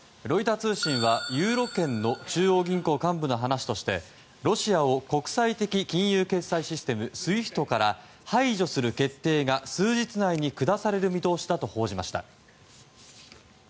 ロイター通信はユーロ圏の中央銀行幹部の話としてロシアを国際的金融決済システムＳＷＩＦＴから排除する決定が数日内に下される見通しだと報じました。